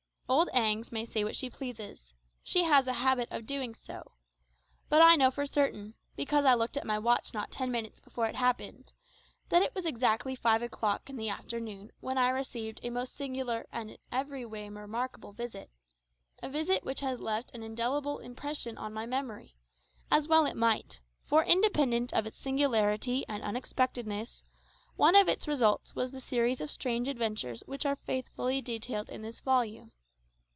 Old Agnes may say what she pleases she has a habit of doing so but I know for certain (because I looked at my watch not ten minutes before it happened) that it was exactly five o'clock in the afternoon when I received a most singular and every way remarkable visit a visit which has left an indelible impression on my memory, as well it might; for, independent of its singularity and unexpectedness, one of its results was the series of strange adventures which are faithfully detailed in this volume.